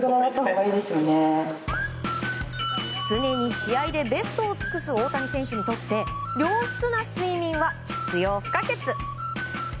常に試合でベストを尽くす大谷選手にとって良質な睡眠は必要不可欠。